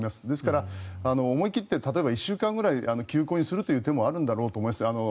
ですから、思い切って例えば１週間ぐらい休校にするという手もあるんだろうと思います。